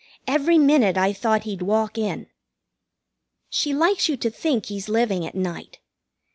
Every minute I thought he'd walk in. She likes you to think he's living at night.